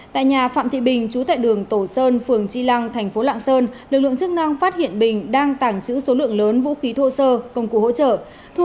tại nhà phạm thị bình chú tại đường tổ sơn phường tri lăng thành phố lạng sơn lực lượng chức năng phát hiện bình đang tàng trữ số lượng lớn vũ khí thô sơ công cụ hỗ trợ